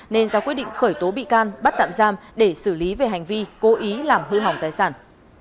nên ra quyết định khởi tố bị can bắt tạm giam để xử lý về hành vi cố ý làm hư hỏng tài sản